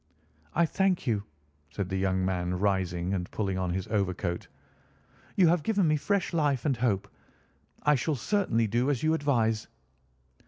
"I thank you," said the young man, rising and pulling on his overcoat. "You have given me fresh life and hope. I shall certainly do as you advise."